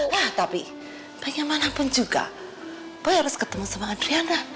nah tapi baiknya mana pun juga boy harus ketemu sama andriana